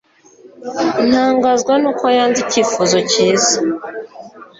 Ntangazwa nuko yanze icyifuzo cyiza.